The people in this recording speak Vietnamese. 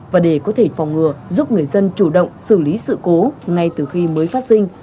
và để có thể phòng ngừa giúp người dân chủ động xử lý sự cố ngay từ khi mới phát sinh